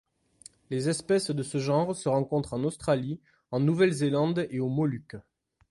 Les espèces de ce genre se rencontrent en Australie, en Nouvelle-Zélande et aux Moluques.